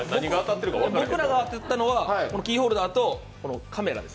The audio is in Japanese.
僕らが当たったのはキーホルダーとカメラです。